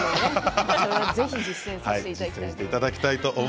ぜひ実践させていただきます。